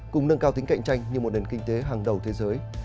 cùng nâng cao tính cạnh tranh như một nền kinh tế hàng đầu thế giới